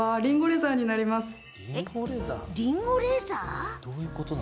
りんごレザー？